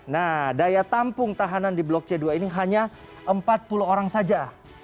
nah daya tampung tahanan di blok c dua ini hanya empat puluh orang saja